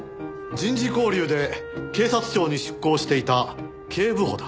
人事交流で警察庁に出向していた警部補だ。